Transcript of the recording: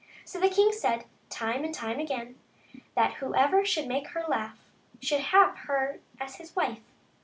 So the king had said, time and time again, that whoever should make her laugh should have her for his wife.